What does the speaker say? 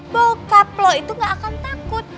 bokap lo itu gak akan takut